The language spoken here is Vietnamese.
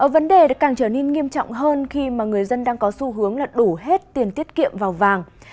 vấn đề đã càng trở nên nghiêm trọng hơn khi mà người dân đang có xu hướng là đổ hết tiền tiết kiệm vào vàng